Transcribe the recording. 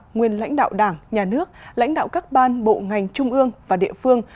nguyên lãnh đạo đảng nhà nước lãnh đạo các ban bộ ngành trung ương và địa phương